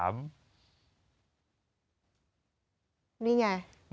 นี่ไง